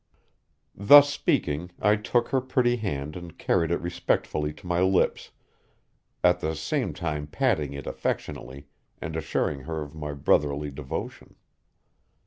Thus speaking I took her pretty hand and carried it respectfully to my lips, at the same time patting it affectionately and assuring her of my brotherly devotion.